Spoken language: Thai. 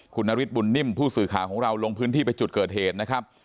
คุณนฤทธบุญนิ่มผู้สื่อข่าวของเราลงพื้นที่ไปจุดเกิดเหตุนะครับ